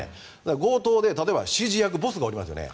強盗で例えば指示役ボスがいますよね。